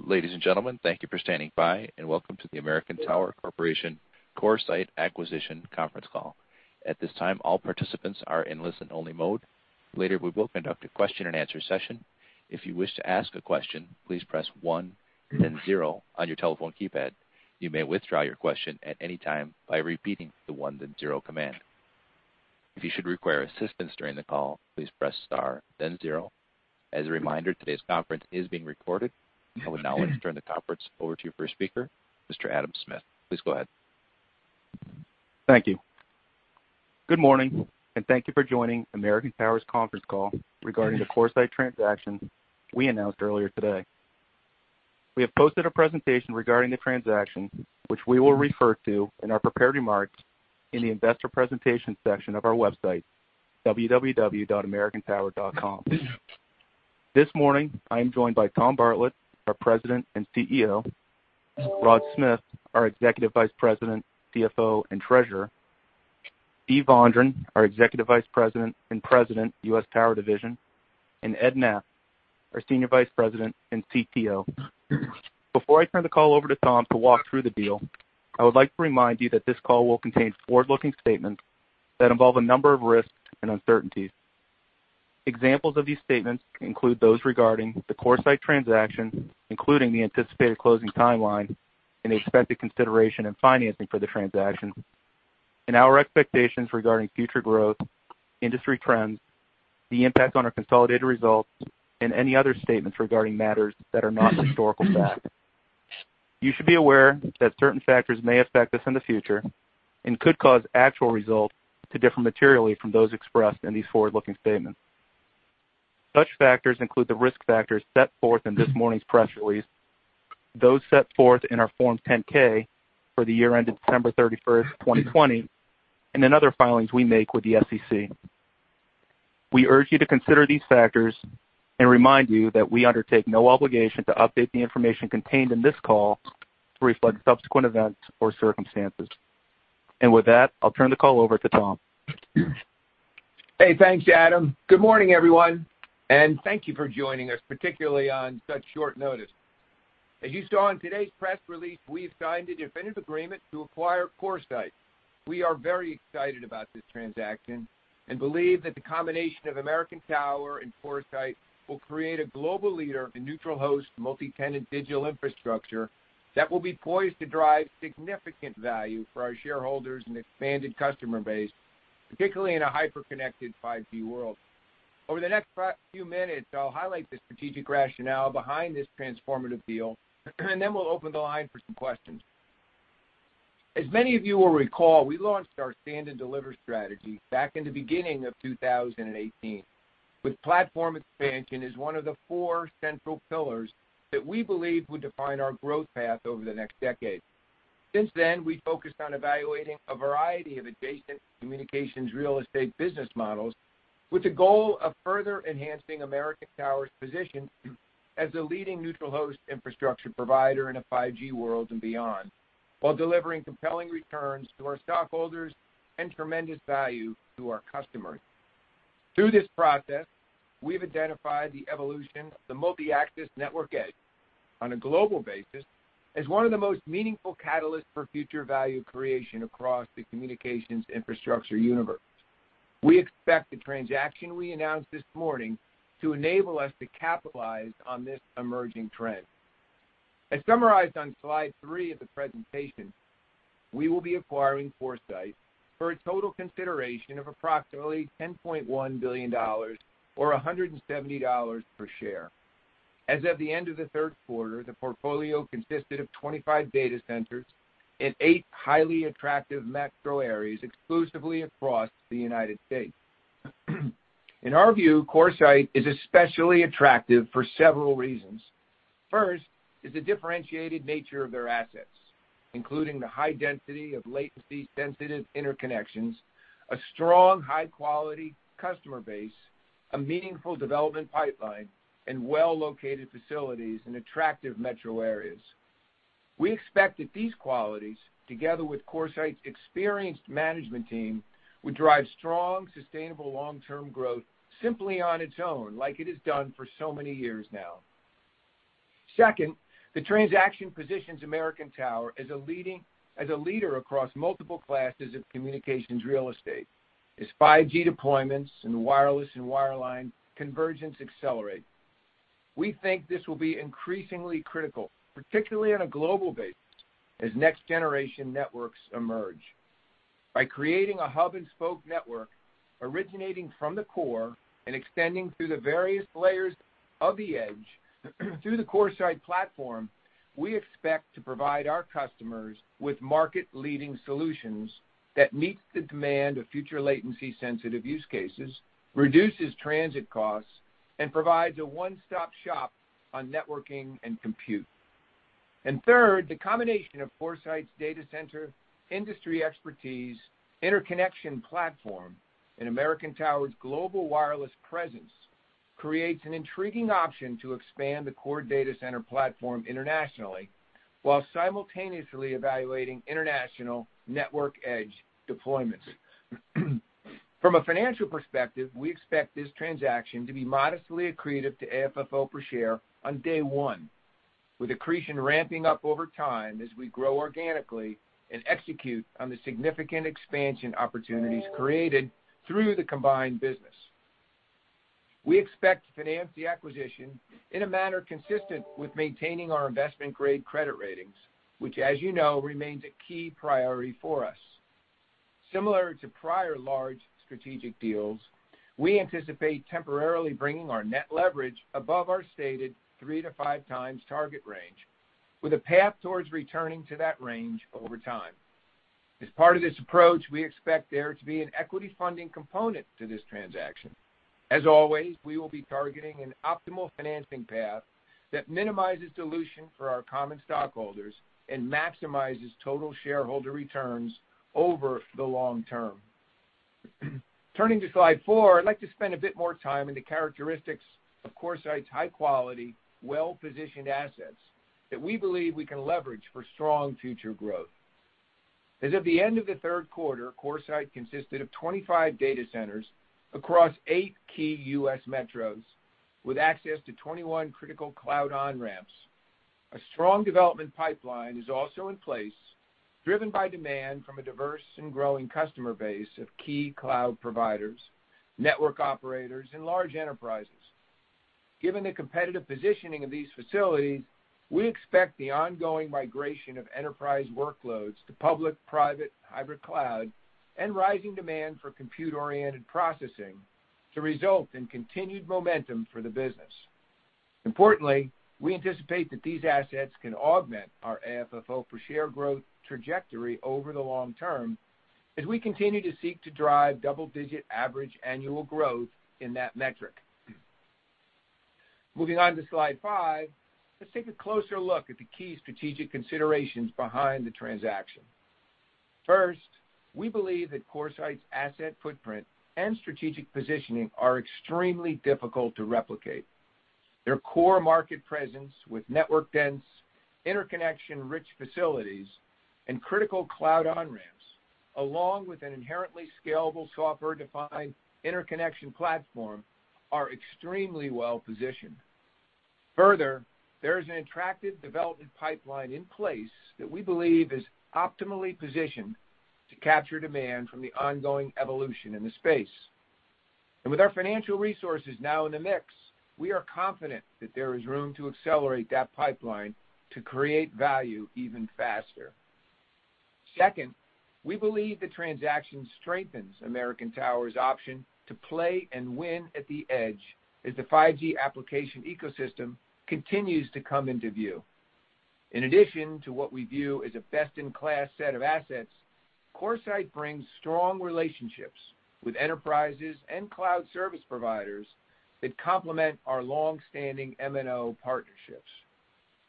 Ladies and gentlemen, thank you for standing by and welcome to the American Tower Corporation CoreSite Acquisition conference call. At this time, all participants are in listen-only mode. Later, we will conduct a question-and-answer session. If you wish to ask a question, please press one, then zero on your telephone keypad. You may withdraw your question at any time by repeating the one, then zero command. If you should require assistance during the call, please press star then zero. As a reminder, today's conference is being recorded. I would now like to turn the conference over to your first speaker, Mr. Adam Smith. Please go ahead. Thank you. Good morning, and thank you for joining American Tower's conference call regarding the CoreSite transaction we announced earlier today. We have posted a presentation regarding the transaction, which we will refer to in our prepared remarks in the Investor Presentation section of our website, www.americantower.com. This morning, I am joined by Tom Bartlett, our President and CEO, Rod Smith, our Executive Vice President, CFO, and Treasurer, Steve Vondran, our Executive Vice President and President, U.S. Tower Division, and Ed Knapp, our Senior Vice President and CTO. Before I turn the call over to Tom to walk through the deal, I would like to remind you that this call will contain forward-looking statements that involve a number of risks and uncertainties. Examples of these statements include those regarding the CoreSite transaction, including the anticipated closing timeline and the expected consideration and financing for the transaction, and our expectations regarding future growth, industry trends, the impact on our consolidated results, and any other statements regarding matters that are not historical facts. You should be aware that certain factors may affect us in the future and could cause actual results to differ materially from those expressed in these forward-looking statements. Such factors include the risk factors set forth in this morning's press release, those set forth in our Form 10-K for the year ended December 31, 2020, and in other filings we make with the SEC. We urge you to consider these factors and remind you that we undertake no obligation to update the information contained in this call to reflect subsequent events or circumstances. With that, I'll turn the call over to Tom. Hey, thanks, Adam. Good morning, everyone, and thank you for joining us, particularly on such short notice. As you saw in today's press release, we've signed a definitive agreement to acquire CoreSite. We are very excited about this transaction and believe that the combination of American Tower and CoreSite will create a global leader in neutral host multi-tenant digital infrastructure that will be poised to drive significant value for our shareholders and expanded customer base, particularly in a hyper-connected 5G world. Over the next few minutes, I'll highlight the strategic rationale behind this transformative deal, and then we'll open the line for some questions. As many of you will recall, we launched our Stand and Deliver strategy back in the beginning of 2018, with platform expansion as one of the four central pillars that we believe would define our growth path over the next decade. Since then, we focused on evaluating a variety of adjacent communications real estate business models with the goal of further enhancing American Tower's position as a leading neutral host infrastructure provider in a 5G world and beyond, while delivering compelling returns to our stockholders and tremendous value to our customers. Through this process, we've identified the evolution of the multi-axis network edge on a global basis as one of the most meaningful catalysts for future value creation across the communications infrastructure universe. We expect the transaction we announced this morning to enable us to capitalize on this emerging trend. As summarized on Slide 3 of the presentation, we will be acquiring CoreSite for a total consideration of approximately $10.1 billion or $170 per share. As of the end of the Q3, the portfolio consisted of 25 data centers in eight highly attractive metro areas exclusively across the United States. In our view, CoreSite is especially attractive for several reasons. First is the differentiated nature of their assets, including the high density of latency-sensitive interconnections, a strong, high-quality customer base, a meaningful development pipeline, and well-located facilities in attractive metro areas. We expect that these qualities, together with CoreSite's experienced management team, would drive strong, sustainable long-term growth simply on its own, like it has done for so many years now. Second, the transaction positions American Tower as a leader across multiple classes of communications real estate as 5G deployments in wireless and wireline convergence accelerate. We think this will be increasingly critical, particularly on a global basis, as next-generation networks emerge. By creating a hub-and-spoke network originating from the core and extending through the various layers of the edge through the CoreSite platform, we expect to provide our customers with market-leading solutions that meets the demand of future latency-sensitive use cases, reduces transit costs, and provides a one-stop shop on networking and compute. Third, the combination of CoreSite's data center industry expertise, interconnection platform, and American Tower's global wireless presence creates an intriguing option to expand the core data center platform internationally while simultaneously evaluating international network edge deployments. From a financial perspective, we expect this transaction to be modestly accretive to AFFO per share on day one, with accretion ramping up over time as we grow organically and execute on the significant expansion opportunities created through the combined business. We expect to finance the acquisition in a manner consistent with maintaining our investment-grade credit ratings, which as you know, remains a key priority for us. Similar to prior large strategic deals, we anticipate temporarily bringing our net leverage above our stated three to five times target range, with a path towards returning to that range over time. As part of this approach, we expect there to be an equity funding component to this transaction. As always, we will be targeting an optimal financing path that minimizes dilution for our common stockholders and maximizes total shareholder returns over the long term. Turning to Slide 4, I'd like to spend a bit more time in the characteristics of CoreSite's high-quality, well-positioned assets that we believe we can leverage for strong future growth. As at the end of the Q3, CoreSite consisted of 25 data centers across 8 key U.S. metros with access to 21 critical cloud on-ramps. A strong development pipeline is also in place, driven by demand from a diverse and growing customer base of key cloud providers, network operators, and large enterprises. Given the competitive positioning of these facilities, we expect the ongoing migration of enterprise workloads to public-private hybrid cloud and rising demand for compute-oriented processing to result in continued momentum for the business. Importantly, we anticipate that these assets can augment our AFFO per share growth trajectory over the long term as we continue to seek to drive double-digit average annual growth in that metric. Moving on to Slide 5, let's take a closer look at the key strategic considerations behind the transaction. First, we believe that CoreSite's asset footprint and strategic positioning are extremely difficult to replicate. Their core market presence with network-dense, interconnection-rich facilities and critical cloud on-ramps, along with an inherently scalable software-defined interconnection platform, are extremely well-positioned. Further, there is an attractive development pipeline in place that we believe is optimally positioned to capture demand from the ongoing evolution in the space. With our financial resources now in the mix, we are confident that there is room to accelerate that pipeline to create value even faster. Second, we believe the transaction strengthens American Tower's option to play and win at the edge as the 5G application ecosystem continues to come into view. In addition to what we view as a best-in-class set of assets, CoreSite brings strong relationships with enterprises and cloud service providers that complement our long-standing MNO partnerships.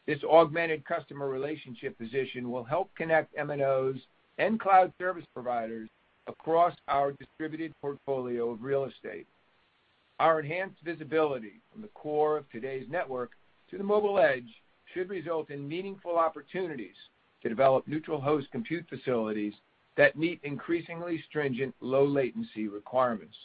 This augmented customer relationship position will help connect MNOs and cloud service providers across our distributed portfolio of real estate. Our enhanced visibility from the core of today's network to the mobile edge should result in meaningful opportunities to develop neutral host compute facilities that meet increasingly stringent low latency requirements.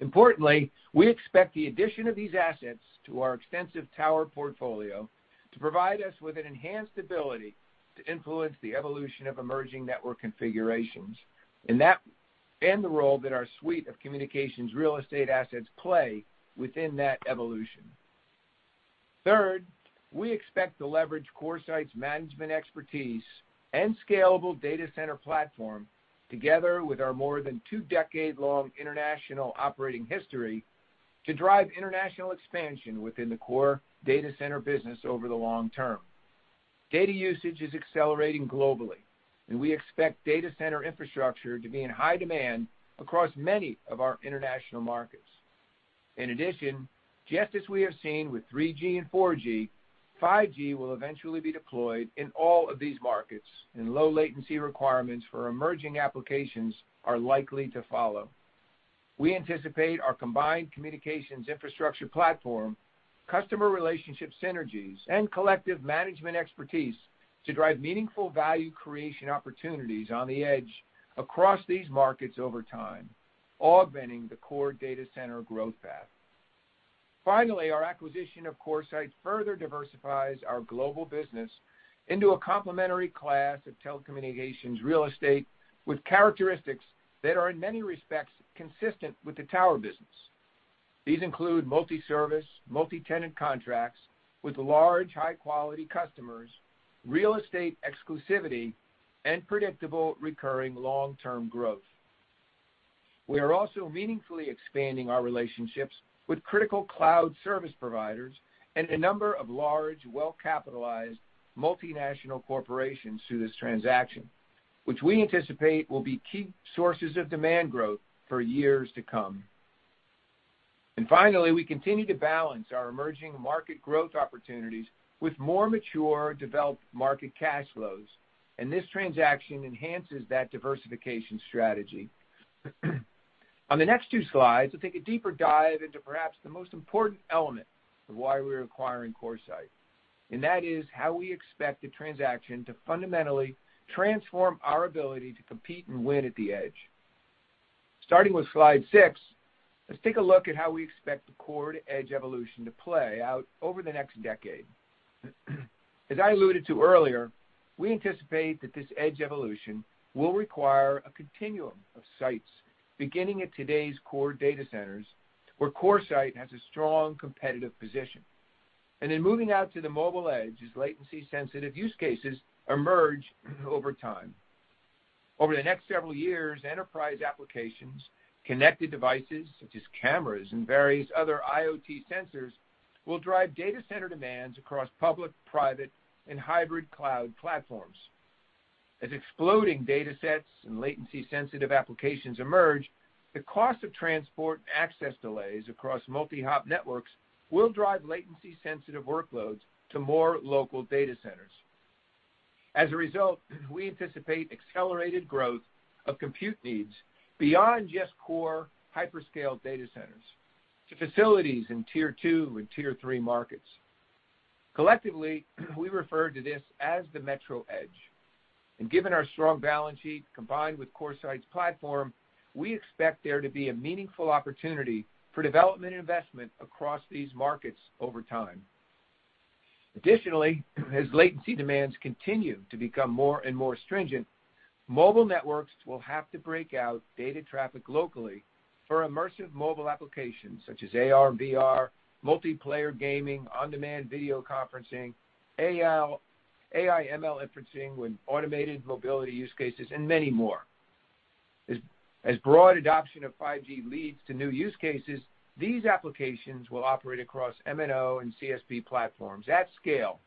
Importantly, we expect the addition of these assets to our extensive tower portfolio to provide us with an enhanced ability to influence the evolution of emerging network configurations and the role that our suite of communications real estate assets play within that evolution. Third, we expect to leverage CoreSite's management expertise and scalable data center platform together with our more than two-decade-long international operating history to drive international expansion within the core data center business over the long term. Data usage is accelerating globally, and we expect data center infrastructure to be in high demand across many of our international markets. In addition, just as we have seen with 3G and 4G, 5G will eventually be deployed in all of these markets, and low latency requirements for emerging applications are likely to follow. We anticipate our combined communications infrastructure platform, customer relationship synergies, and collective management expertise to drive meaningful value creation opportunities on the edge across these markets over time, augmenting the core data center growth path. Finally, our acquisition of CoreSite further diversifies our global business into a complementary class of telecommunications real estate with characteristics that are in many respects consistent with the tower business. These include multi-service, multi-tenant contracts with large, high-quality customers, real estate exclusivity, and predictable recurring long-term growth. We are also meaningfully expanding our relationships with critical cloud service providers and a number of large, well-capitalized multinational corporations through this transaction, which we anticipate will be key sources of demand growth for years to come. Finally, we continue to balance our emerging market growth opportunities with more mature, developed market cash flows, and this transaction enhances that diversification strategy. On the next two slides, we'll take a deeper dive into perhaps the most important element of why we're acquiring CoreSite. That is how we expect the transaction to fundamentally transform our ability to compete and win at the edge. Starting with Slide 6, let's take a look at how we expect the core to edge evolution to play out over the next decade. As I alluded to earlier, we anticipate that this edge evolution will require a continuum of sites, beginning at today's core data centers, where CoreSite has a strong competitive position, moving out to the mobile edge as latency-sensitive use cases emerge over time. Over the next several years, enterprise applications, connected devices such as cameras and various other IoT sensors will drive data center demands across public, private, and hybrid cloud platforms. As exploding data sets and latency-sensitive applications emerge, the cost of transport and access delays across multi-hop networks will drive latency-sensitive workloads to more local data centers. As a result, we anticipate accelerated growth of compute needs beyond just core hyperscale data centers to facilities in Tier 2 and Tier 3 markets. Collectively, we refer to this as the metro edge. Given our strong balance sheet combined with CoreSite's platform, we expect there to be a meaningful opportunity for development investment across these markets over time. Additionally, as latency demands continue to become more and more stringent, mobile networks will have to break out data traffic locally for immersive mobile applications such as AR/VR, multiplayer gaming, on-demand video conferencing, AI/ML inferencing with automated mobility use cases, and many more. As broad adoption of 5G leads to new use cases, these applications will operate across MNO and CSP platforms at scale,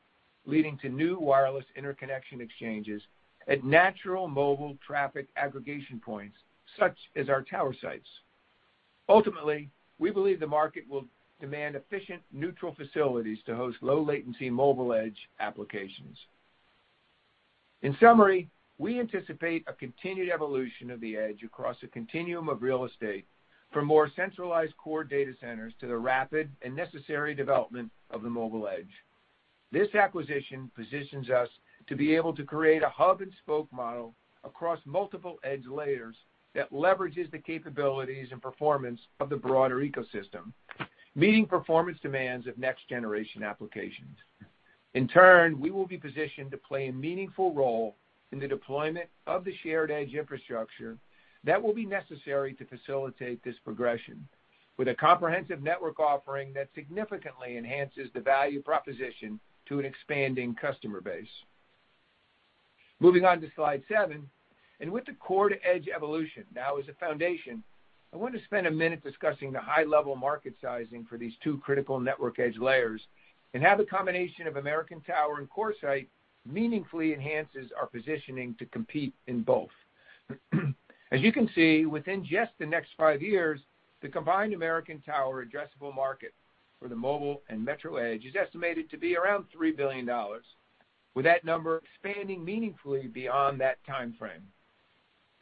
leading to new wireless interconnection exchanges at natural mobile traffic aggregation points such as our tower sites. Ultimately, we believe the market will demand efficient neutral facilities to host low-latency mobile edge applications. In summary, we anticipate a continued evolution of the edge across a continuum of real estate from more centralized core data centers to the rapid and necessary development of the mobile edge. This acquisition positions us to be able to create a hub and spoke model across multiple edge layers that leverages the capabilities and performance of the broader ecosystem, meeting performance demands of next-generation applications. In turn, we will be positioned to play a meaningful role in the deployment of the shared edge infrastructure that will be necessary to facilitate this progression with a comprehensive network offering that significantly enhances the value proposition to an expanding customer base. Moving on to Slide 7, and with the core to edge evolution now as a foundation, I want to spend a minute discussing the high-level market sizing for these two critical network edge layers and how the combination of American Tower and CoreSite meaningfully enhances our positioning to compete in both. As you can see, within just the next five years, the combined American Tower addressable market for the mobile and metro edge is estimated to be around $3 billion, with that number expanding meaningfully beyond that timeframe.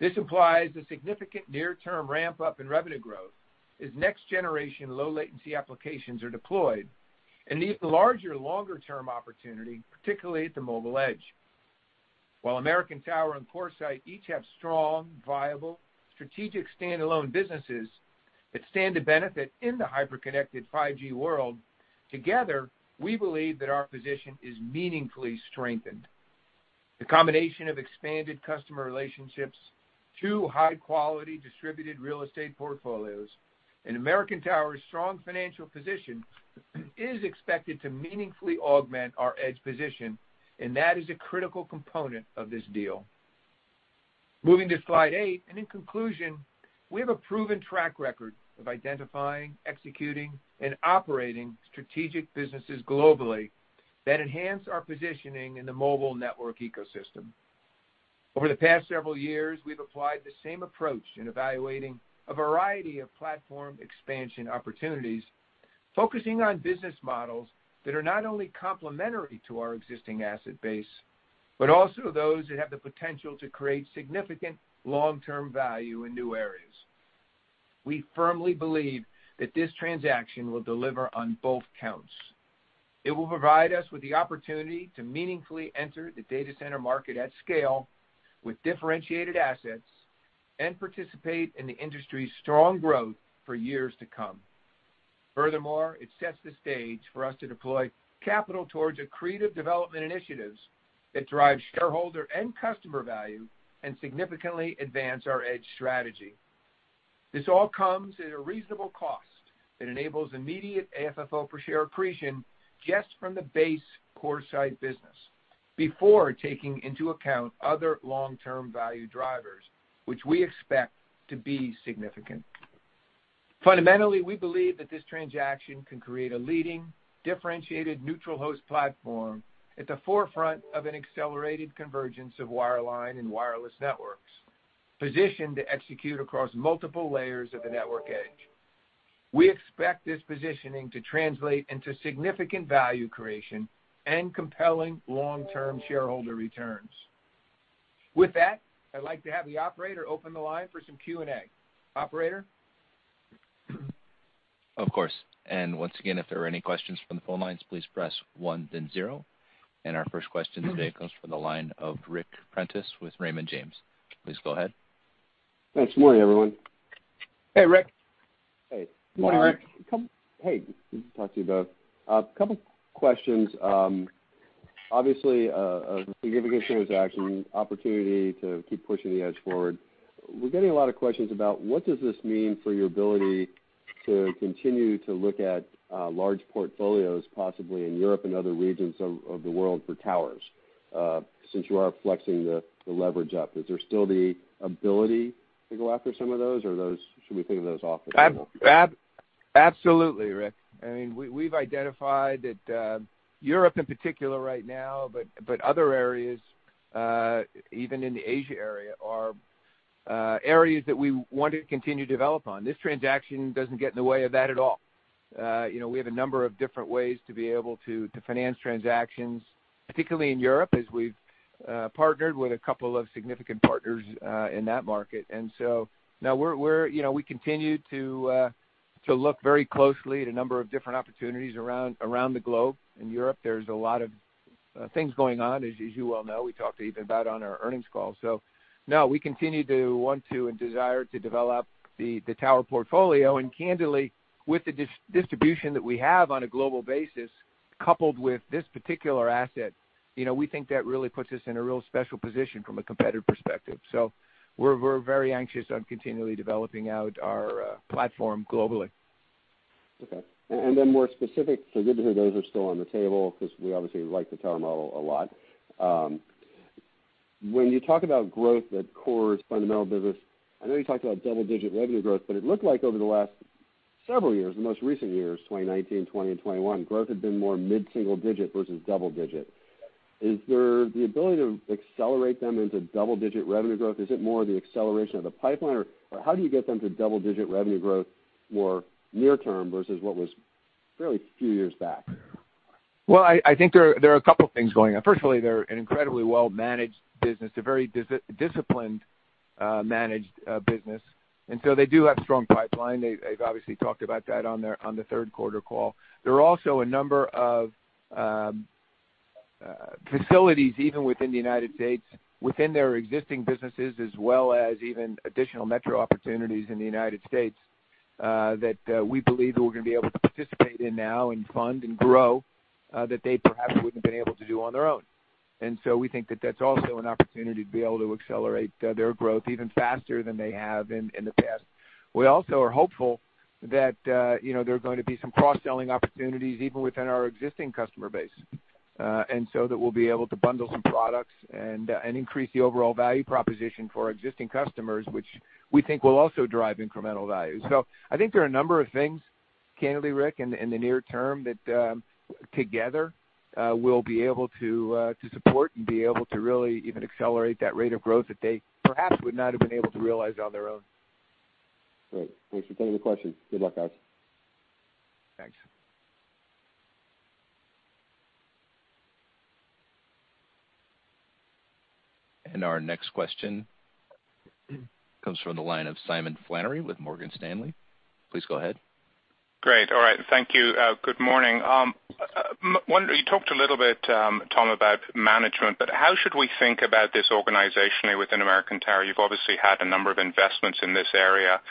This implies a significant near-term ramp-up in revenue growth as next-generation low-latency applications are deployed and an even larger longer-term opportunity, particularly at the mobile edge. While American Tower and CoreSite each have strong, viable, strategic standalone businesses that stand to benefit in the hyper-connected 5G world, together, we believe that our position is meaningfully strengthened. The combination of expanded customer relationships, two high-quality distributed real estate portfolios, and American Tower's strong financial position is expected to meaningfully augment our edge position, and that is a critical component of this deal. Moving to Slide 8, and in conclusion, we have a proven track record of identifying, executing, and operating strategic businesses globally that enhance our positioning in the mobile network ecosystem. Over the past several years, we've applied the same approach in evaluating a variety of platform expansion opportunities, focusing on business models that are not only complementary to our existing asset base, but also those that have the potential to create significant long-term value in new areas. We firmly believe that this transaction will deliver on both counts. It will provide us with the opportunity to meaningfully enter the data center market at scale with differentiated assets and participate in the industry's strong growth for years to come. Furthermore, it sets the stage for us to deploy capital towards accretive development initiatives that drive shareholder and customer value and significantly advance our edge strategy. This all comes at a reasonable cost that enables immediate AFFO per share accretion just from the base CoreSite business before taking into account other long-term value drivers, which we expect to be significant. Fundamentally, we believe that this transaction can create a leading, differentiated, neutral host platform at the forefront of an accelerated convergence of wireline and wireless networks, positioned to execute across multiple layers of the network edge. We expect this positioning to translate into significant value creation and compelling long-term shareholder returns. With that, I'd like to have the operator open the line for some Q&A. Operator? Of course. Once again, if there are any questions from the phone lines, please press one then zero. Our first question today comes from the line of Ric Prentiss with Raymond James. Please go ahead. Thanks. Good morning, everyone. Hey, Ric. Hey. Morning, Ric. Hey, good to talk to you both. A couple questions. Obviously, a significant transaction, opportunity to keep pushing the edge forward. We're getting a lot of questions about what does this mean for your ability to continue to look at large portfolios, possibly in Europe and other regions of the world for towers, since you are flexing the leverage up. Is there still the ability to go after some of those, or should we think of those off the table? Absolutely, Ric. I mean, we've identified that, Europe in particular right now, but other areas, even in the Asia area are areas that we want to continue to develop on. This transaction doesn't get in the way of that at all. You know, we have a number of different ways to be able to finance transactions, particularly in Europe, as we've partnered with a couple of significant partners in that market. Now we're you know, we continue to look very closely at a number of different opportunities around the globe. In Europe, there's a lot of things going on as you well know. We talked to you about it on our earnings call. No, we continue to want to and desire to develop the tower portfolio. Candidly, with the distribution that we have on a global basis, coupled with this particular asset, you know, we think that really puts us in a real special position from a competitive perspective. We're very anxious to continually developing out our platform globally. Okay. Then more specific, so good to hear those are still on the table because we obviously like the tower model a lot. When you talk about growth at CoreSite's fundamental business, I know you talked about double-digit revenue growth, but it looked like over the last several years, the most recent years, 2019, 2020 and 2021, growth had been more mid-single-digit versus double-digit. Is there the ability to accelerate them into double-digit revenue growth? Is it more the acceleration of the pipeline? Or how do you get them to double-digit revenue growth more near term versus what was really a few years back? Well, I think there are a couple things going on. Firstly, they're an incredibly well-managed business, a very disciplined managed business. They do have strong pipeline. They've obviously talked about that on their Q3 call. There are also a number of facilities, even within the United States, within their existing businesses, as well as even additional metro opportunities in the United States, that we believe that we're gonna be able to participate in now and fund and grow, that they perhaps wouldn't have been able to do on their own. We think that that's also an opportunity to be able to accelerate their growth even faster than they have in the past. We also are hopeful that, you know, there are going to be some cross-selling opportunities even within our existing customer base that we'll be able to bundle some products and increase the overall value proposition for existing customers, which we think will also drive incremental value. I think there are a number of things, candidly, Ric, in the near term that together we'll be able to support and be able to really even accelerate that rate of growth that they perhaps would not have been able to realize on their own. Great. Thanks for taking the question. Good luck, guys. Thanks. Our next question comes from the line of Simon Flannery with Morgan Stanley. Please go ahead. Great. All right. Thank you. Good morning. You talked a little bit, Tom, about management, but how should we think about this organizationally within American Tower? You've obviously had a number of investments in this area,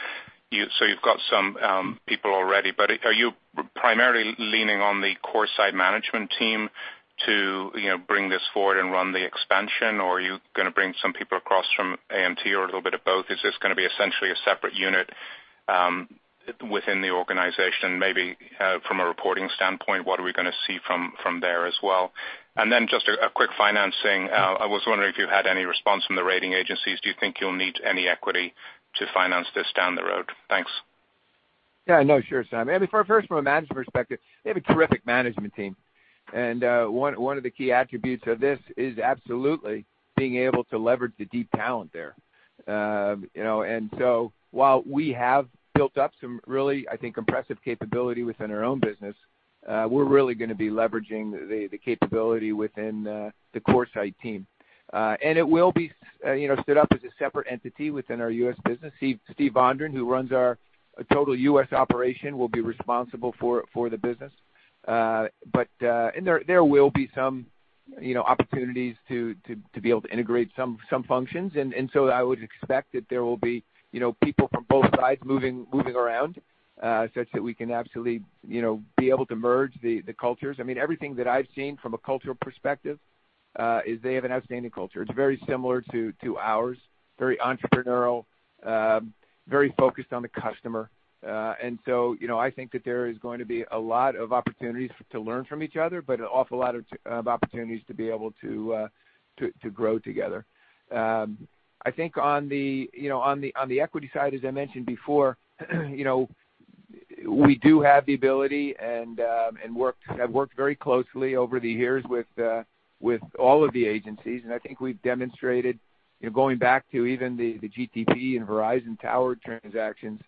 so you've got some people already. Are you primarily leaning on the CoreSite management team to, you know, bring this forward and run the expansion? Or are you gonna bring some people across from AMT or a little bit of both? Is this gonna be essentially a separate unit within the organization, maybe from a reporting standpoint? What are we gonna see from there as well? Just a quick financing. I was wondering if you had any response from the rating agencies. Do you think you'll need any equity to finance this down the road? Thanks. Yeah, no, sure, Simon. I mean, first from a management perspective, they have a terrific management team. One of the key attributes of this is absolutely being able to leverage the deep talent there. You know, while we have built up some really, I think, impressive capability within our own business, we're really gonna be leveraging the capability within the CoreSite team. It will be, you know, stood up as a separate entity within our U.S. business. Steve Vondran, who runs our total U.S. operation, will be responsible for the business. There will be some, you know, opportunities to be able to integrate some functions. I would expect that there will be, you know, people from both sides moving around such that we can absolutely, you know, be able to merge the cultures. I mean, everything that I've seen from a cultural perspective is they have an outstanding culture. It's very similar to ours, very entrepreneurial, very focused on the customer. I think that there is going to be a lot of opportunities to learn from each other, but an awful lot of opportunities to be able to grow together. I think on the equity side, as I mentioned before, you know, we do have the ability and have worked very closely over the years with all of the agencies. I think we've demonstrated, you know, going back to even the GTP and Verizon tower transactions,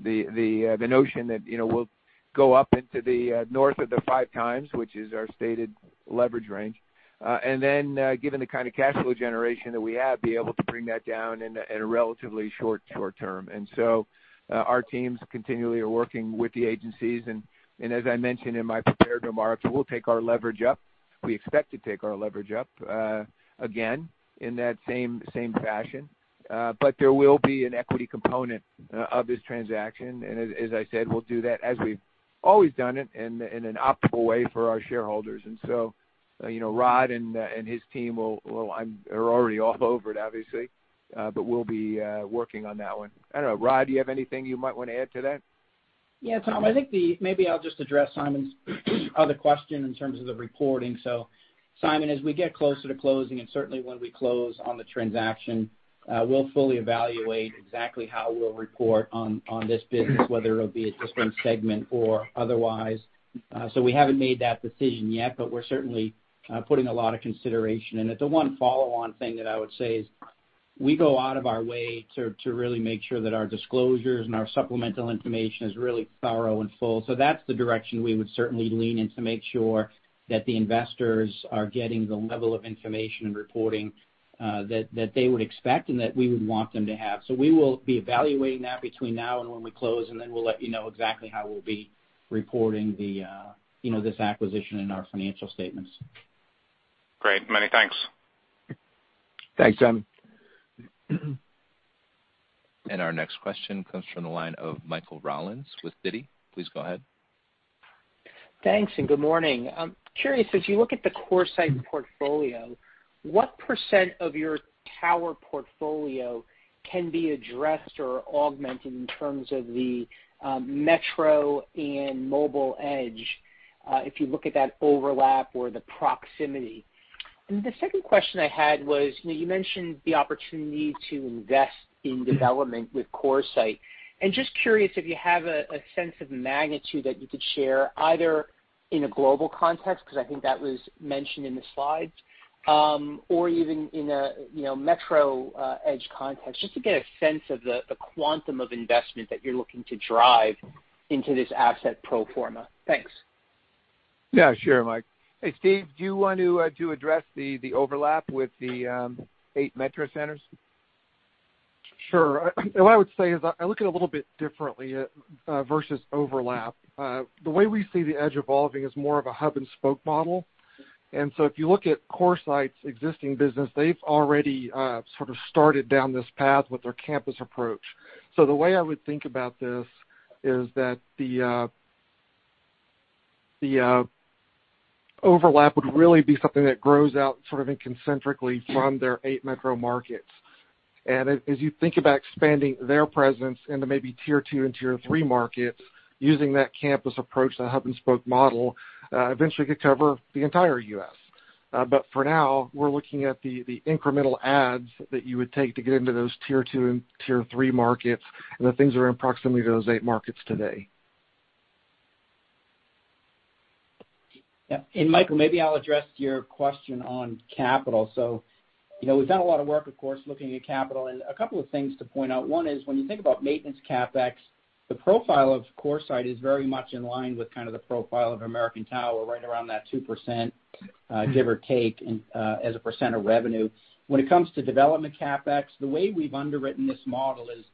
the notion that, you know, we'll go up into the north of the five times, which is our stated leverage range. Then, given the kind of cash flow generation that we have, be able to bring that down in a relatively short term. Our teams continually are working with the agencies. As I mentioned in my prepared remarks, we'll take our leverage up. We expect to take our leverage up again in that same fashion. But there will be an equity component of this transaction. As I said, we'll do that as we've always done it, in an optimal way for our shareholders. You know, Rod and his team are already all over it, obviously, but we'll be working on that one. I don't know, Rod, do you have anything you might wanna add to that? Yeah, Tom, I think maybe I'll just address Simon's other question in terms of the reporting. Simon, as we get closer to closing, and certainly when we close on the transaction, we'll fully evaluate exactly how we'll report on this business, whether it'll be a different segment or otherwise. We haven't made that decision yet, but we're certainly putting a lot of consideration in it. The one follow-on thing that I would say is we go out of our way to really make sure that our disclosures and our supplemental information is really thorough and full. That's the direction we would certainly lean in to make sure that the investors are getting the level of information and reporting that they would expect and that we would want them to have. We will be evaluating that between now and when we close, and then we'll let you know exactly how we'll be reporting the, you know, this acquisition in our financial statements. Great. Many thanks. Thanks, Simon. Our next question comes from the line of Michael Rollins with Citi. Please go ahead. Thanks, good morning. I'm curious, as you look at the CoreSite portfolio, what percent of your tower portfolio can be addressed or augmented in terms of the metro and mobile edge, if you look at that overlap or the proximity? The second question I had was, you know, you mentioned the opportunity to invest in development with CoreSite. Just curious if you have a sense of magnitude that you could share, either in a global context, 'cause I think that was mentioned in the slides, or even in a you know, metro edge context, just to get a sense of the quantum of investment that you're looking to drive into this asset pro forma. Thanks. Yeah, sure, Mike. Hey, Steve, do you want to address the overlap with the eight metro centers? Sure. What I would say is I look at it a little bit differently versus overlap. The way we see the edge evolving is more of a hub-and-spoke model. If you look at CoreSite's existing business, they've already sort of started down this path with their campus approach. The way I would think about this is that the overlap would really be something that grows out sort of concentrically from their eight metro markets. As you think about expanding their presence into maybe Tier 2 and Tier 3 markets, using that campus approach, that hub-and-spoke model, eventually could cover the entire U.S. For now, we're looking at the incremental adds that you would take to get into those Tier 2 and Tier 3 markets, and the things that are in proximity to those eight markets today. Yeah. Michael, maybe I'll address your question on capital. You know, we've done a lot of work, of course, looking at capital, and a couple of things to point out. One is when you think about maintenance CapEx, the profile of CoreSite is very much in line with kind of the profile of American Tower, right around that 2%, give or take, as a percent of revenue. When it comes to development CapEx, the way we've underwritten this model is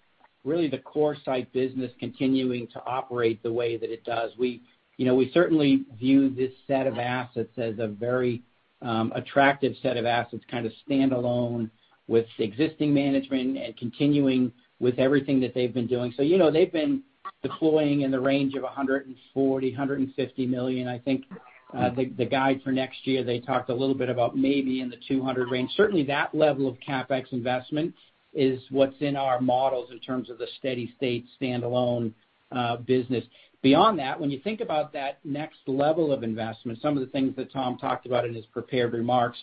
really the CoreSite business continuing to operate the way that it does. We, you know, we certainly view this set of assets as a very, attractive set of assets, kind of standalone with existing management and continuing with everything that they've been doing. You know, they've been deploying in the range of $100 million-$150 million. I think, the guide for next year, they talked a little bit about maybe in the $200 million range. Certainly, that level of CapEx investment is what's in our models in terms of the steady-state standalone business. Beyond that, when you think about that next level of investment, some of the things that Tom talked about in his prepared remarks,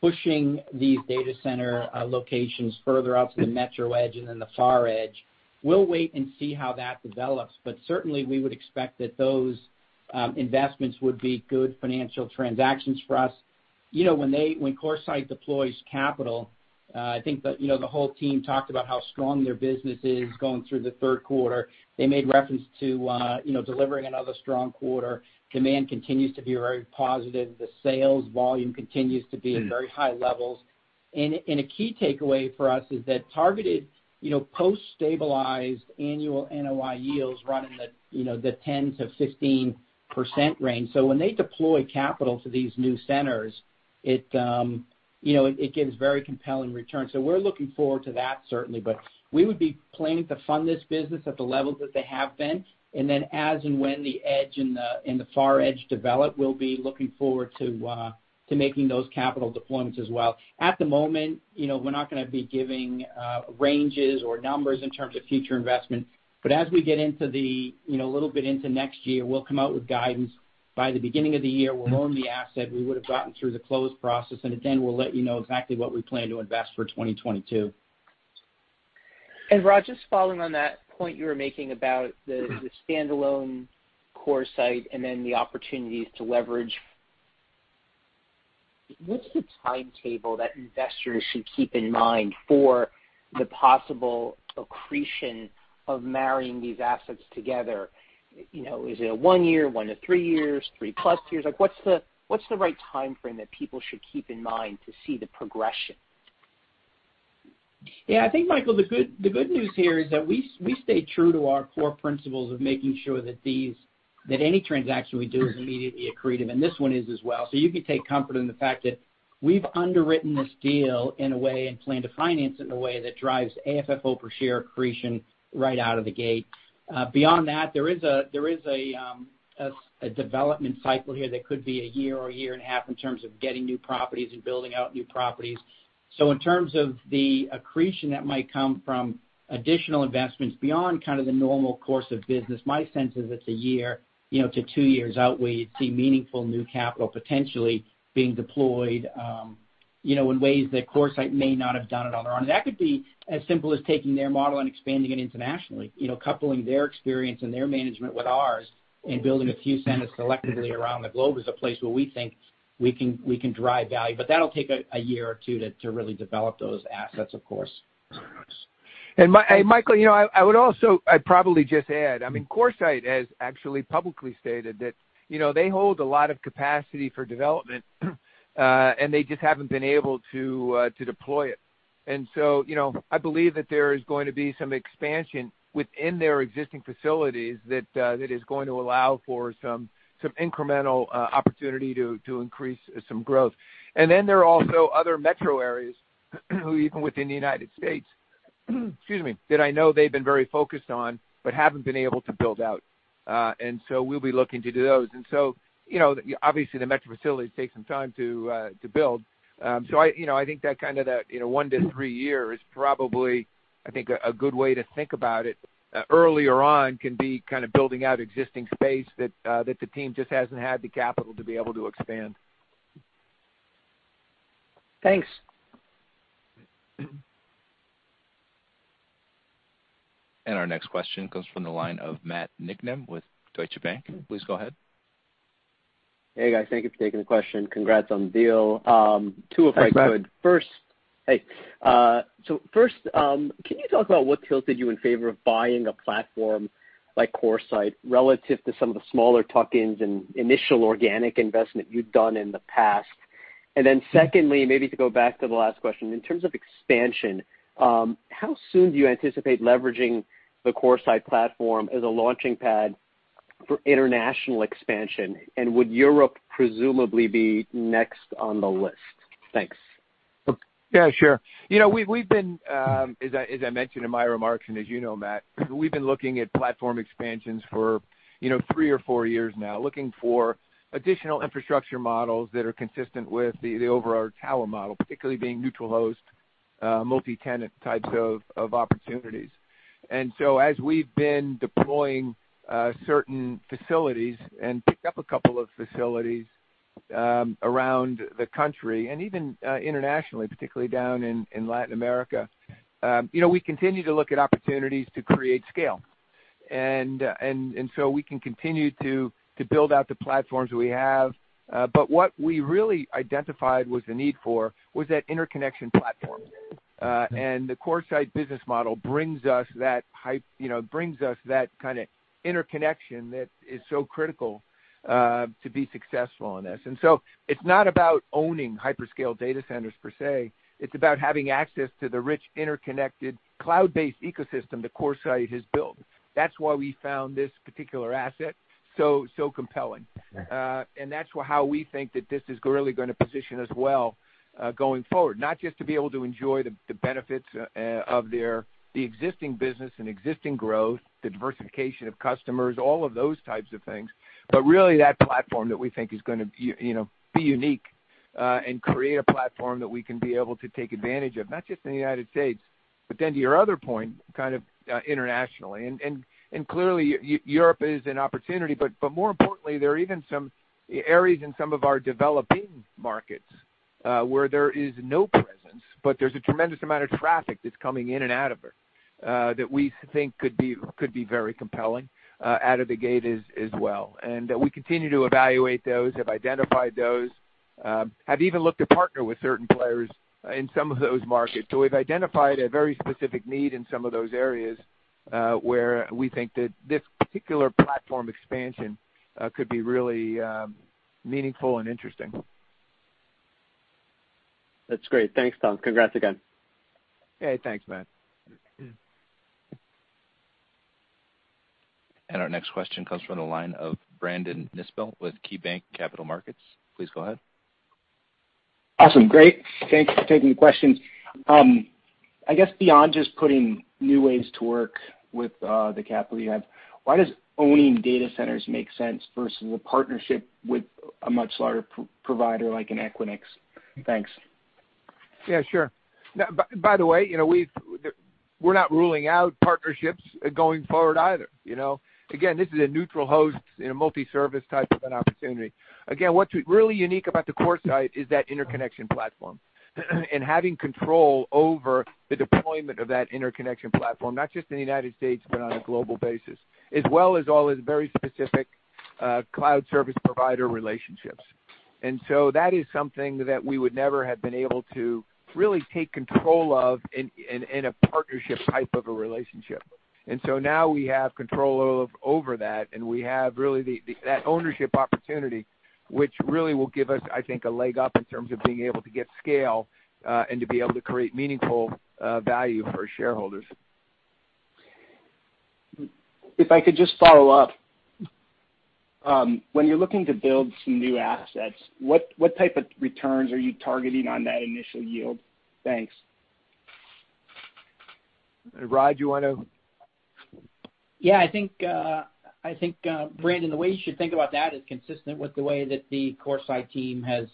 pushing these data center locations further out to the metro edge and then the far edge, we'll wait and see how that develops. Certainly, we would expect that those investments would be good financial transactions for us. You know, when CoreSite deploys capital, I think, you know, the whole team talked about how strong their business is going through the Q3. They made reference to, you know, delivering another strong quarter. Demand continues to be very positive. The sales volume continues to be at very high levels. A key takeaway for us is that targeted, you know, post-stabilized annual NOI yields run in the, you know, the 10%-15% range. When they deploy capital to these new centers, it, you know, it gives very compelling returns. We're looking forward to that certainly. We would be planning to fund this business at the levels that they have been, and then as and when the edge and the far edge develop, we'll be looking forward to making those capital deployments as well. At the moment, you know, we're not gonna be giving ranges or numbers in terms of future investment, but as we get into the, you know, a little bit into next year, we'll come out with guidance. By the beginning of the year, we'll own the asset, we would have gotten through the close process, and then we'll let you know exactly what we plan to invest for 2022. Rod, just following on that point you were making about the standalone CoreSite and then the opportunities to leverage. What's the timetable that investors should keep in mind for the possible accretion of marrying these assets together? You know, is it a one year, one to three years, three plus years? Like, what's the right timeframe that people should keep in mind to see the progression? Yeah, I think, Michael, the good news here is that we stay true to our core principles of making sure that any transaction we do is immediately accretive, and this one is as well. You can take comfort in the fact that we've underwritten this deal in a way and plan to finance it in a way that drives AFFO per share accretion right out of the gate. Beyond that, there is a development cycle here that could be a year or 1.5 years In terms of getting new properties and building out new properties. In terms of the accretion that might come from additional investments beyond kind of the normal course of business, my sense is it's a year, you know, to two years out where you'd see meaningful new capital potentially being deployed, you know, in ways that CoreSite may not have done it on their own. And that could be as simple as taking their model and expanding it internationally. You know, coupling their experience and their management with ours and building a few centers selectively around the globe is a place where we think we can drive value. But that'll take a year or two to really develop those assets, of course. Michael, you know, I would also, I'd probably just add, I mean, CoreSite has actually publicly stated that, you know, they hold a lot of capacity for development, and they just haven't been able to deploy it. You know, I believe that there is going to be some expansion within their existing facilities that is going to allow for some incremental opportunity to increase some growth. Then there are also other metro areas, even within the United States, excuse me, that I know they've been very focused on but haven't been able to build out. We'll be looking to do those. You know, obviously, the metro facilities take some time to build. I, you know, I think that kind of, you know, one to three years is probably I think a good way to think about it. Earlier on can be kind of building out existing space that the team just hasn't had the capital to be able to expand. Thanks. Our next question comes from the line of Matt Niknam with Deutsche Bank. Please go ahead. Hey, guys. Thank you for taking the question. Congrats on the deal. Two if I could. Thanks, Matt. Hey. First, can you talk about what tilted you in favor of buying a platform like CoreSite relative to some of the smaller tuck-ins and initial organic investment you've done in the past? Secondly, maybe to go back to the last question, in terms of expansion, how soon do you anticipate leveraging the CoreSite platform as a launching pad for international expansion? Would Europe presumably be next on the list? Thanks. Yeah, sure. You know, we've been, as I mentioned in my remarks, and as you know, Matt, we've been looking at platform expansions for, you know, three or four years now, looking for additional infrastructure models that are consistent with the overall tower model, particularly being neutral host, multi-tenant types of opportunities. We've been deploying certain facilities and picked up a couple of facilities around the country and even internationally, particularly down in Latin America, you know, we continue to look at opportunities to create scale. We can continue to build out the platforms we have. What we really identified was the need for that interconnection platform. The CoreSite business model brings us that type, you know, brings us that kind of interconnection that is so critical to be successful in this. It's not about owning hyperscale data centers per se, it's about having access to the rich, interconnected, cloud-based ecosystem that CoreSite has built. That's why we found this particular asset so compelling. That's how we think that this is really gonna position us well, going forward, not just to be able to enjoy the benefits of the existing business and existing growth, the diversification of customers, all of those types of things, but really that platform that we think is gonna be, you know, be unique, and create a platform that we can be able to take advantage of, not just in the United States, but then to your other point, kind of, internationally. Clearly, Europe is an opportunity, but more importantly, there are even some areas in some of our developing markets where there is no presence, but there's a tremendous amount of traffic that's coming in and out of it that we think could be very compelling out of the gate as well. We continue to evaluate those, have identified those, have even looked to partner with certain players in some of those markets. We've identified a very specific need in some of those areas where we think that this particular platform expansion could be really meaningful and interesting. That's great. Thanks, Tom. Congrats again. Hey, thanks, Matt. Our next question comes from the line of Brandon Nispel with KeyBanc Capital Markets. Please go ahead. Awesome. Great. Thanks for taking the question. I guess beyond just putting new ways to work with the capital you have, why does owning data centers make sense versus a partnership with a much larger provider like Equinix? Thanks. Yeah, sure. Now, by the way, you know, we're not ruling out partnerships going forward either, you know? Again, this is a neutral host in a multi-service type of an opportunity. Again, what's really unique about the CoreSite is that interconnection platform and having control over the deployment of that interconnection platform, not just in the United States, but on a global basis, as well as all its very specific cloud service provider relationships. That is something that we would never have been able to really take control of in a partnership type of a relationship. Now we have control over that, and we have really that ownership opportunity, which really will give us, I think, a leg up in terms of being able to get scale and to be able to create meaningful value for shareholders. If I could just follow-up. When you're looking to build some new assets, what type of returns are you targeting on that initial yield? Thanks. Rod, do you want to? Yeah, I think, Brandon, the way you should think about that is consistent with the way that the CoreSite team has,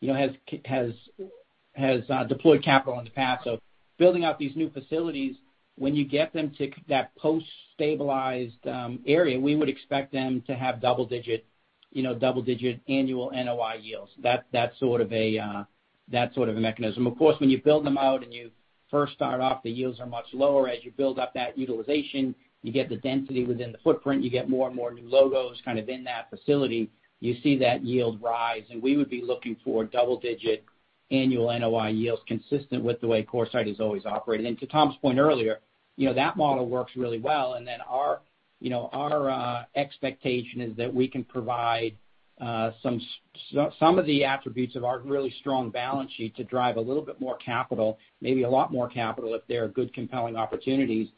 you know, deployed capital in the past of building out these new facilities. When you get them to that post-stabilized area, we would expect them to have double-digit, you know, double-digit annual NOI yields. That's sort of a mechanism. Of course, when you build them out and you first start off, the yields are much lower. As you build up that utilization, you get the density within the footprint, you get more and more new logos kind of in that facility, you see that yield rise. We would be looking for double-digit annual NOI yields consistent with the way CoreSite has always operated. To Tom's point earlier, you know, that model works really well. Our, you know, our expectation is that we can provide some of the attributes of our really strong balance sheet to drive a little bit more capital, maybe a lot more capital, if there are good compelling opportunities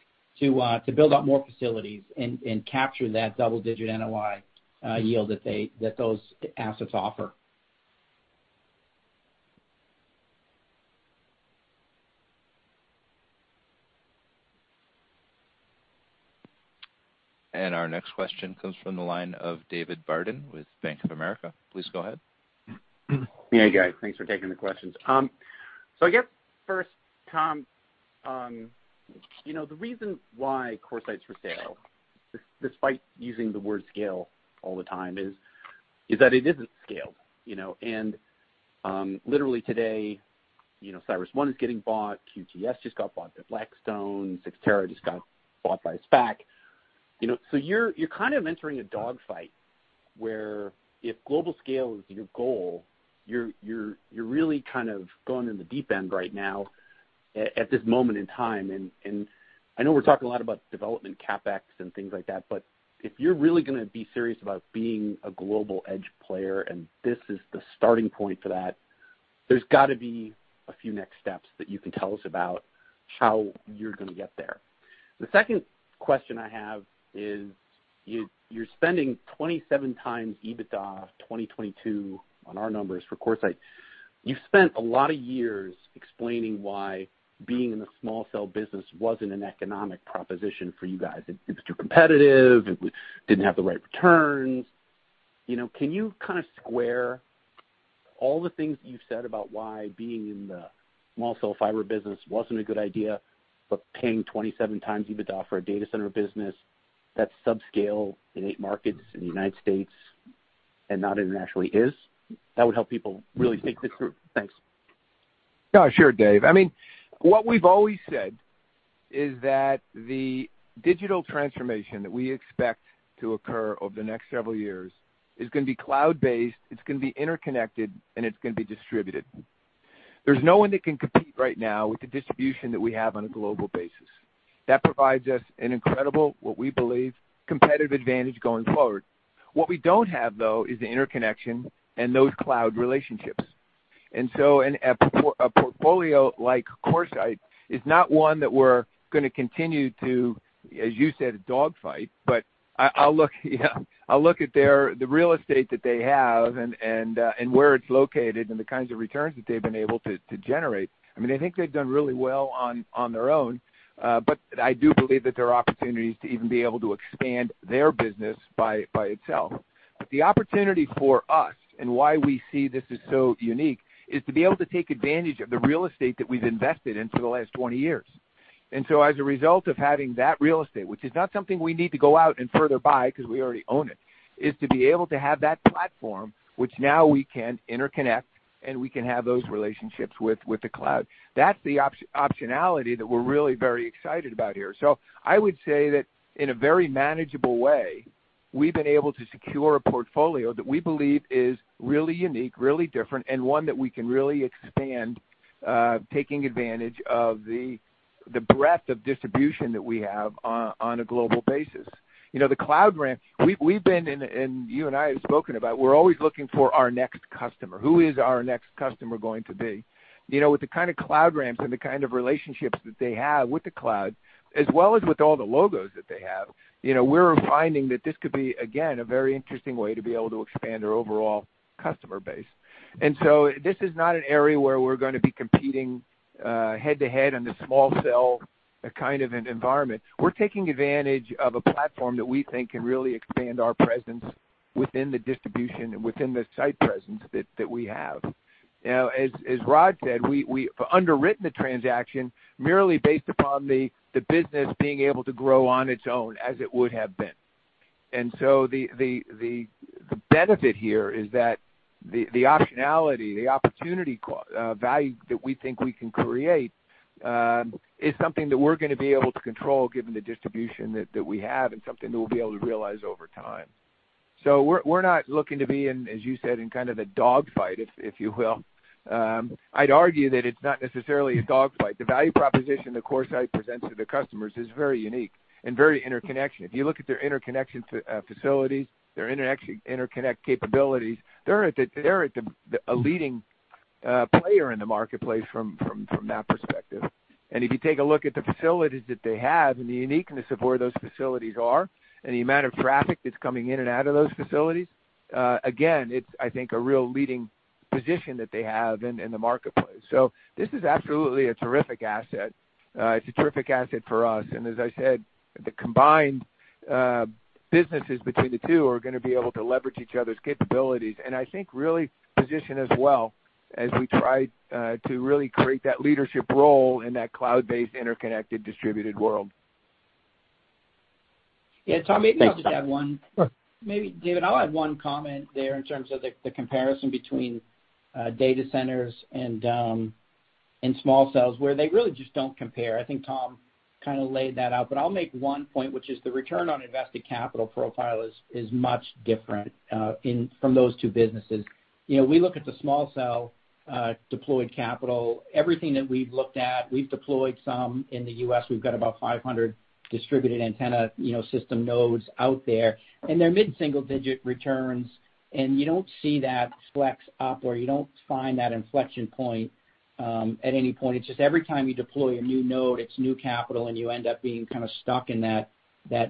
to build out more facilities and capture that double-digit NOI yield that those assets offer. Our next question comes from the line of David Barden with Bank of America. Please go ahead. Yeah, guys. Thanks for taking the questions. So I guess first, Tom, you know, the reason why CoreSite's for sale, despite using the word scale all the time, is that it isn't scaled, you know. Literally today, you know, CyrusOne is getting bought. QTS just got bought by Blackstone. Cyxtera just got bought by SPAC. You know, so you're kind of entering a dogfight where if global scale is your goal, you're really kind of going in the deep end right now at this moment in time. I know we're talking a lot about development CapEx and things like that, but if you're really gonna be serious about being a global edge player, and this is the starting point for that, there's got to be a few next steps that you can tell us about how you're gonna get there. The second question I have is, you're spending 27x EBITDA of 2022 on our numbers for CoreSite. You've spent a lot of years explaining why being in the small cell business wasn't an economic proposition for you guys. It's too competitive. It didn't have the right returns. You know, can you kind of square all the things that you've said about why being in the small cell fiber business wasn't a good idea, but paying 27x EBITDA for a data center business that's subscale in eight markets in the United States and not internationally is? That would help people really think this through. Thanks. Yeah, sure, Dave. I mean, what we've always said is that the digital transformation that we expect to occur over the next several years is gonna be cloud-based, it's gonna be interconnected, and it's gonna be distributed. There's no one that can compete right now with the distribution that we have on a global basis. That provides us an incredible, what we believe, competitive advantage going forward. What we don't have, though, is the interconnection and those cloud relationships. A portfolio like CoreSite is not one that we're gonna continue to, as you said, a dogfight. I'll look, yeah, at their real estate that they have and where it's located and the kinds of returns that they've been able to generate. I mean, I think they've done really well on their own. I do believe that there are opportunities to even be able to expand their business by itself. The opportunity for us and why we see this as so unique is to be able to take advantage of the real estate that we've invested in for the last 20 years. As a result of having that real estate, which is not something we need to go out and further buy because we already own it, is to be able to have that platform, which now we can interconnect, and we can have those relationships with the cloud. That's the optionality that we're really very excited about here. I would say that in a very manageable way, we've been able to secure a portfolio that we believe is really unique, really different, and one that we can really expand, taking advantage of the breadth of distribution that we have on a global basis. You know, the cloud ramp, we've been, and you and I have spoken about, we're always looking for our next customer. Who is our next customer going to be? You know, with the kind of cloud ramps and the kind of relationships that they have with the cloud, as well as with all the logos that they have, you know, we're finding that this could be, again, a very interesting way to be able to expand our overall customer base. This is not an area where we're gonna be competing head-to-head in the small cell kind of an environment. We're taking advantage of a platform that we think can really expand our presence within the distribution, within the site presence that we have. Now, as Rod said, we've underwritten the transaction merely based upon the business being able to grow on its own as it would have been. The benefit here is that the optionality, the opportunity value that we think we can create is something that we're gonna be able to control given the distribution that we have and something that we'll be able to realize over time. We're not looking to be in, as you said, in kind of the dogfight, if you will. I'd argue that it's not necessarily a dogfight. The value proposition that CoreSite presents to the customers is very unique and very interconnection. If you look at their interconnection to facilities, their interconnect capabilities, they're a leading player in the marketplace from that perspective. If you take a look at the facilities that they have and the uniqueness of where those facilities are and the amount of traffic that's coming in and out of those facilities, again, it's, I think, a real leading position that they have in the marketplace. This is absolutely a terrific asset. It's a terrific asset for us. As I said, the combined businesses between the two are gonna be able to leverage each other's capabilities. I think really position us well as we try to really create that leadership role in that cloud-based, interconnected, distributed world. Yeah, Tom, maybe I'll just add one. Maybe, David, I'll add one comment there in terms of the comparison between data centers and small cells, where they really just don't compare. I think Tom kind of laid that out. I'll make one point, which is the return on invested capital profile is much different from those two businesses. You know, we look at the small cell deployed capital. Everything that we've looked at, we've deployed some in the U.S., we've got about 500 distributed antenna system nodes out there, and they're mid-single-digit returns. You don't see that flex up, or you don't find that inflection point at any point. It's just every time you deploy a new node, it's new capital, and you end up being kinda stuck in that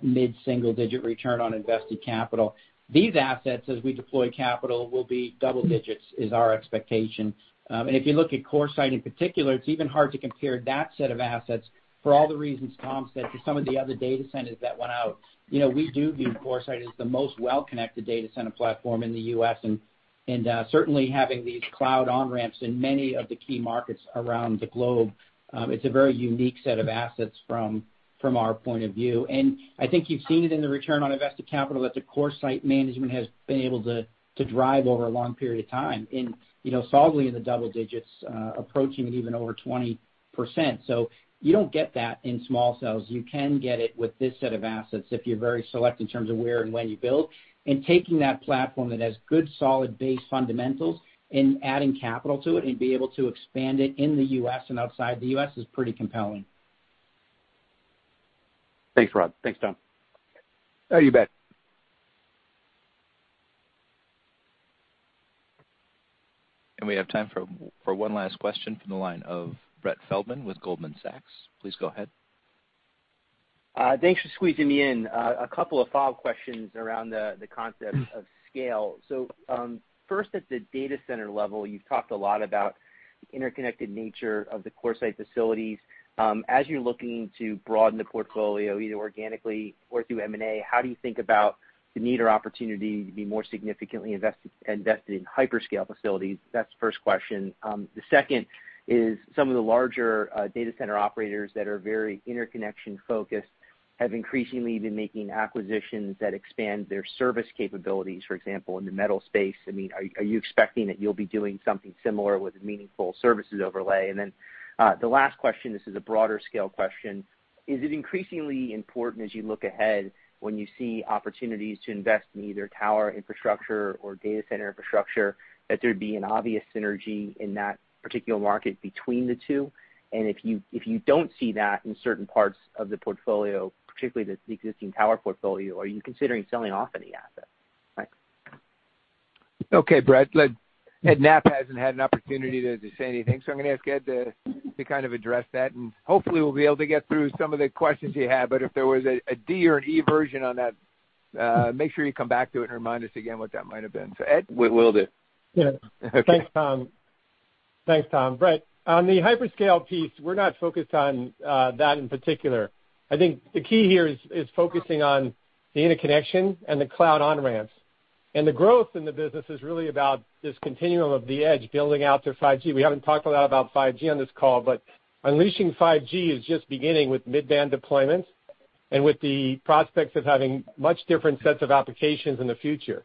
mid-single-digit return on invested capital. These assets, as we deploy capital, will be double-digits, is our expectation. If you look at CoreSite in particular, it's even hard to compare that set of assets for all the reasons Tom said to some of the other data centers that went out. You know, we do view CoreSite as the most well-connected data center platform in the U.S. Certainly having these cloud on-ramps in many of the key markets around the globe, it's a very unique set of assets from our point of view. I think you've seen it in the return on invested capital that the CoreSite management has been able to drive over a long period of time, you know, solidly in the double-digits, approaching it even over 20%. You don't get that in small cells. You can get it with this set of assets if you're very select in terms of where and when you build. Taking that platform that has good, solid base fundamentals and adding capital to it and be able to expand it in the U.S. and outside the U.S. is pretty compelling. Thanks, Rod. Thanks, Tom. Oh, you bet. We have time for one last question from the line of Brett Feldman with Goldman Sachs. Please go ahead. Thanks for squeezing me in. A couple of follow-up questions around the concept of scale. First, at the data center level, you've talked a lot about the interconnected nature of the CoreSite facilities. As you're looking to broaden the portfolio, either organically or through M&A, how do you think about the need or opportunity to be more significantly invested in hyperscale facilities? That's the first question. The second is some of the larger data center operators that are very interconnection-focused have increasingly been making acquisitions that expand their service capabilities, for example, in the bare metal space. I mean, are you expecting that you'll be doing something similar with meaningful services overlay? Then, the last question, this is a broader scale question. Is it increasingly important as you look ahead, when you see opportunities to invest in either tower infrastructure or data center infrastructure, that there'd be an obvious synergy in that particular market between the two? If you don't see that in certain parts of the portfolio, particularly the existing tower portfolio, are you considering selling off any assets? Thanks. Okay, Brett. Ed Knapp hasn't had an opportunity to say anything, so I'm gonna ask Ed to kind of address that. Hopefully we'll be able to get through some of the questions you have, but if there was a D or an E version on that, make sure you come back to it and remind us again what that might have been. Ed? Will do. Thanks, Tom. Brett, on the hyperscale piece, we're not focused on that in particular. I think the key here is focusing on the interconnection and the cloud on-ramps. The growth in the business is really about this continuum of the edge building out to 5G. We haven't talked a lot about 5G on this call, but unleashing 5G is just beginning with mid-band deployments and with the prospects of having much different sets of applications in the future.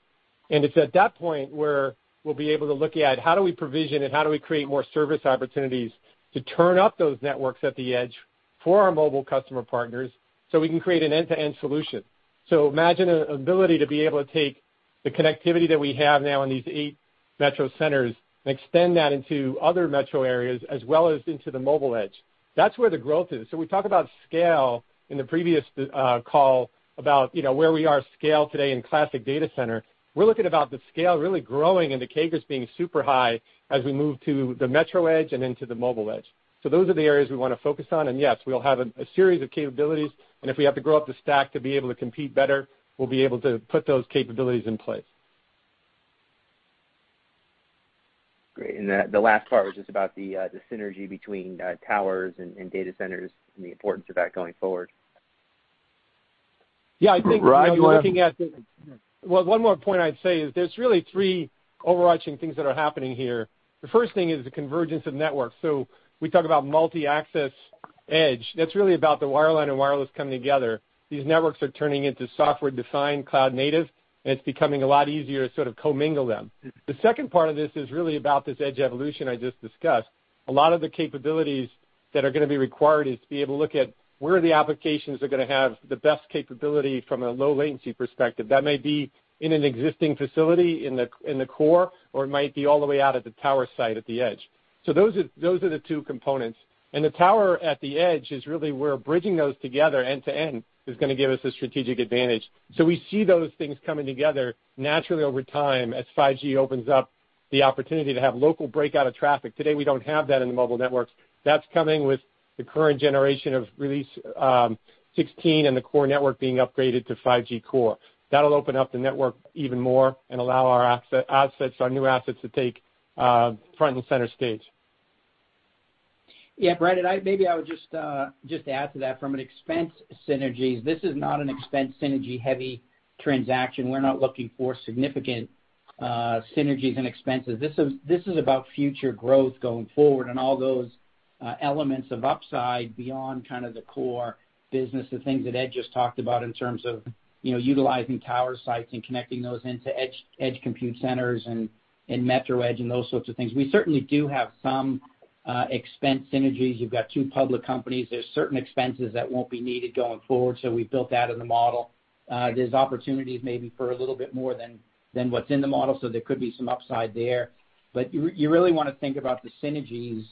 It's at that point where we'll be able to look at how do we provision and how do we create more service opportunities to turn up those networks at the edge for our mobile customer partners, so we can create an end-to-end solution. Imagine an ability to be able to take the connectivity that we have now in these eight metro centers and extend that into other metro areas as well as into the mobile edge. That's where the growth is. We talk about scale in the previous call about, you know, where our scale is today in classic data center. We're looking at the scale really growing and the CAGRs being super high as we move to the metro edge and into the mobile edge. Those are the areas we wanna focus on. Yes, we'll have a series of capabilities, and if we have to grow up the stack to be able to compete better, we'll be able to put those capabilities in place. Great. The last part was just about the synergy between towers and data centers and the importance of that going forward. Yeah, I think. Rod, do you wanna Well, one more point I'd say is there's really three overarching things that are happening here. The first thing is the convergence of networks. We talk about multi-access edge. That's really about the wireline and wireless coming together. These networks are turning into software-defined cloud native, and it's becoming a lot easier to sort of commingle them. The second part of this is really about this edge evolution I just discussed. A lot of the capabilities that are gonna be required is to be able to look at where the applications are gonna have the best capability from a low latency perspective. That may be in an existing facility in the core, or it might be all the way out at the tower site at the edge. Those are the two components. The tower at the edge is really where bridging those together end-to-end is gonna give us a strategic advantage. We see those things coming together naturally over time as 5G opens up the opportunity to have local breakout of traffic. Today, we don't have that in the mobile networks. That's coming with the current generation of Release 16 and the core network being upgraded to 5G core. That'll open up the network even more and allow our assets, our new assets, to take front and center stage. Yeah, Brett, maybe I would just add to that from an expense synergies. This is not an expense synergy-heavy transaction. We're not looking for significant synergies and expenses. This is about future growth going forward and all those elements of upside beyond kind of the core business, the things that Ed just talked about in terms of you know utilizing tower sites and connecting those into edge compute centers and metro edge and those sorts of things. We certainly do have some expense synergies. You've got two public companies. There's certain expenses that won't be needed going forward, so we built that in the model. There's opportunities maybe for a little bit more than what's in the model, so there could be some upside there. You really wanna think about the synergies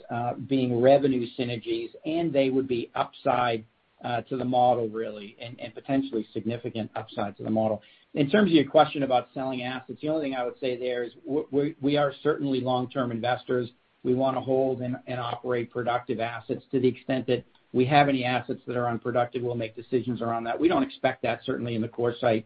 being revenue synergies, and they would be upside to the model really and potentially significant upside to the model. In terms of your question about selling assets, the only thing I would say there is we are certainly long-term investors. We wanna hold and operate productive assets. To the extent that we have any assets that are unproductive, we'll make decisions around that. We don't expect that certainly in the CoreSite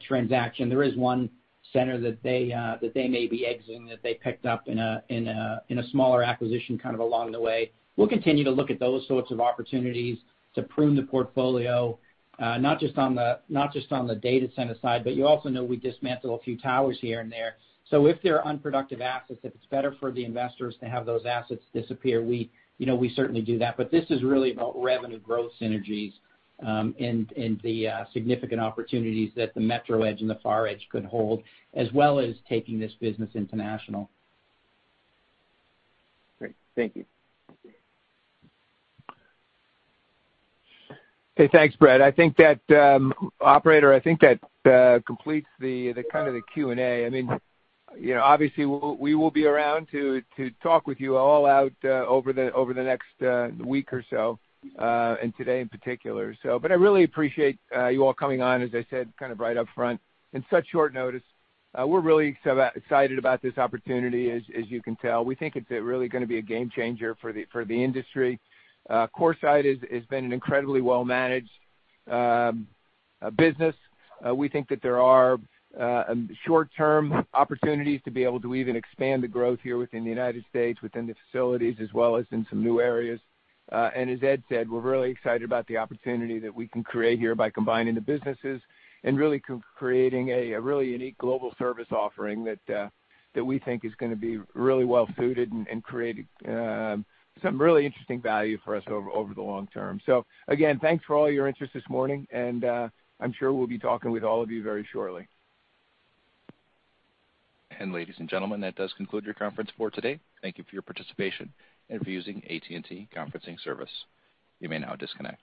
transaction. There is one center that they may be exiting, that they picked up in a smaller acquisition kind of along the way. We'll continue to look at those sorts of opportunities to prune the portfolio, not just on the data center side, but you know we dismantled a few towers here and there. If there are unproductive assets, if it's better for the investors to have those assets disappear, you know, we certainly do that. This is really about revenue growth synergies, and the significant opportunities that the metro edge and the far edge could hold, as well as taking this business international. Great. Thank you. Okay, thanks, Brett. I think that operator completes the kind of Q&A. I mean, you know, obviously, we will be around to talk with you all over the next week or so, and today in particular. I really appreciate you all coming on, as I said, kind of right up front in such short notice. We're really excited about this opportunity as you can tell. We think it's really gonna be a game changer for the industry. CoreSite has been an incredibly well-managed business. We think that there are short-term opportunities to be able to even expand the growth here within the United States, within the facilities, as well as in some new areas. As Ed said, we're really excited about the opportunity that we can create here by combining the businesses and really creating a really unique global service offering that we think is gonna be really well suited and create some really interesting value for us over the long term. Again, thanks for all your interest this morning, and I'm sure we'll be talking with all of you very shortly. And ladies and gentlemen, that does conclude your conference for today. Thank you for your participation and for using AT&T Conferencing Service. You may now disconnect.